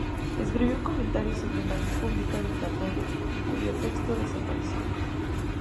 Escribió un comentario sobre "La República" de Platón cuyo texto desapareció.